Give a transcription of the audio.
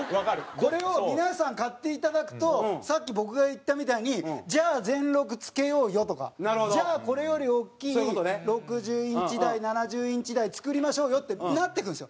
これを、皆さん買っていただくとさっき、僕が言ったみたいにじゃあ、全録つけようよとかじゃあ、これより大きい６０インチ台、７０インチ台作りましょうよってなっていくんですよ。